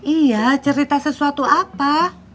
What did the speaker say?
iya cerita sesuatu apa